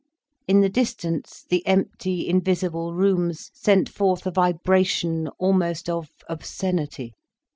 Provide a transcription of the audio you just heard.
In the distance the empty, invisible rooms sent forth a vibration almost of obscenity.